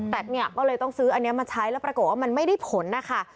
แต่เนี่ยก็เลยต้องซื้ออันนี้มาใช้แล้วปรากฏว่ามันไม่ได้ผลนะคะ